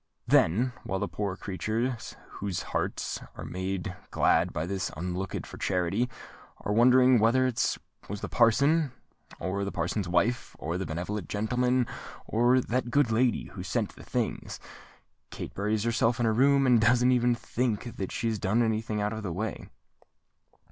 Then, while the poor creatures whose hearts are made glad by this unlooked for charity, are wondering whether it was the parson, or the parson's wife, or this benevolent gentleman, or that good lady, who sent the things, Kate buries herself in her room, and doesn't even think that she has done any thing out of the way."